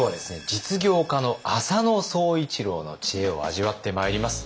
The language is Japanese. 実業家の浅野総一郎の知恵を味わってまいります。